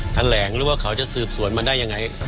หรือว่าเขาจะสืบสวนมาได้ยังไง